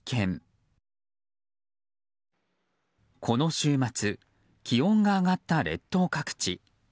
この週末気温が上がった列島各地。